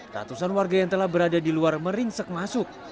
ratusan warga yang telah berada di luar meringsek masuk